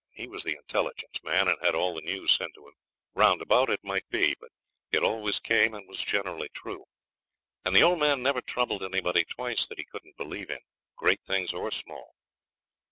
He was the intelligence man, and had all the news sent to him roundabout it might be, but it always came, and was generally true; and the old man never troubled anybody twice that he couldn't believe in, great things or small.